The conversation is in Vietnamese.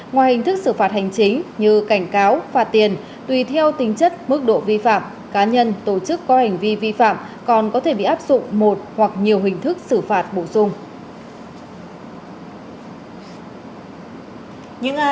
ngoài hình thức xử phạt hành chính như cảnh cáo phạt tiền tùy theo tính chất mức độ vi phạm cá nhân tổ chức có hành vi vi phạm còn có thể bị áp dụng một hoặc nhiều hình thức xử phạt bổ sung